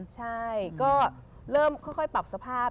ใช่ก็เริ่มค่อยปรับสภาพ